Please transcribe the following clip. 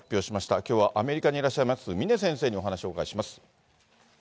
きょうはアメリカにいらっしゃいます、峰先生にお話をお伺いしま